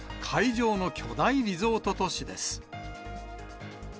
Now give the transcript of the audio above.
海上の巨大リゾート都市です。